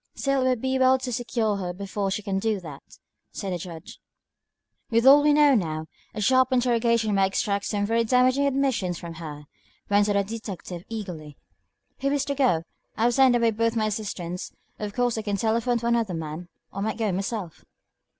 "Still, it would be well to secure her before she can do that," said the Judge. "With all we know now, a sharp interrogation might extract some very damaging admissions from her," went on the detective, eagerly. "Who is to go? I have sent away both my assistants. Of course I can telephone for another man, or I might go myself."